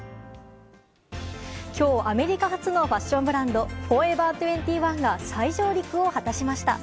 今日、アメリカ発のファッションブランドフォーエバー２１が再上陸を果たしました。